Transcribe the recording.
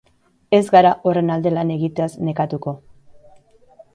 Ez gara horren alde lan egiteaz nekatuko.